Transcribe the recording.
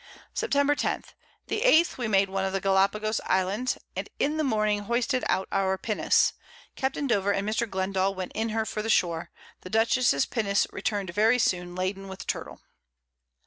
Sept. 10. The 8th we made one of the Gallapagos Islands, and in the Morning hoisted out our Pinnace; Capt. Dover and Mr. Glendall went in her for the Shore. The Dutchess's Pinnace return'd very soon laden with Turtle.